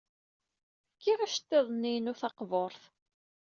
Fkiɣ iceḍḍiḍen-nni-inu taqburt.